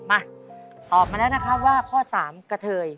มาตอบมาแล้วนะครับว่าข้อ๓กะเทย